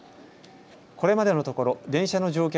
これまでのところ電車の乗客